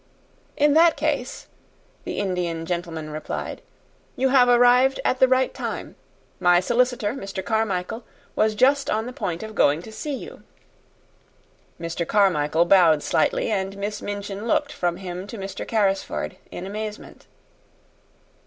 "In that case," the Indian gentleman replied, "you have arrived at the right time. My solicitor, Mr. Carmichael, was just on the point of going to see you." Mr. Carmichael bowed slightly, and Miss Minchin looked from him to Mr. Carrisford in amazement.